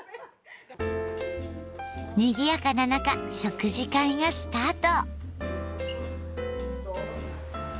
にぎやかな中食事会がスタート。